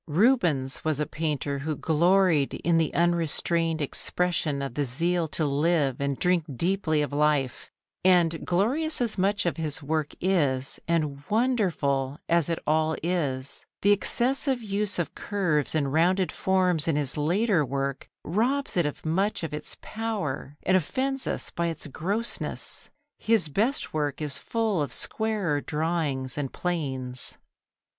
Rubens was a painter who gloried in the unrestrained expression of the zeal to live and drink deeply of life, and glorious as much of his work is, and wonderful as it all is, the excessive use of curves and rounded forms in his later work robs it of much of its power and offends us by its grossness. His best work is full of squarer drawing and planes.